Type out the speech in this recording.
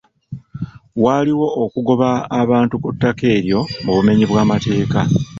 Waaliwo okugoba abantu ku ttaka eryo mu bumenyi bw'amateeka.